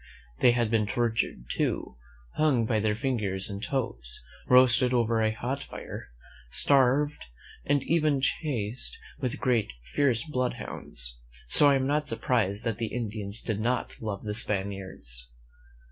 They had been tortured, too; hung up by their fingers and toes; roasted over a hot fire; starved, and even chased with great, fierce blood hounds. So I am not sur prised that the Indians did not love the Spaniards.